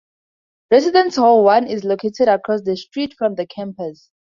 Residence Hall One is located across the street from the campus.